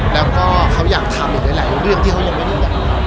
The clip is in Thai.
แล้วก็เค้าอยากถามอยู่หลายเรื่องที่เค้ายังไม่เห็นจ้ะ